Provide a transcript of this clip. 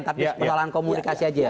tapi persoalan komunikasi aja